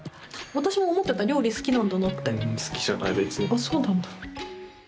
あそうなんだ。